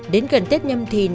đến gần tết nhâm thìn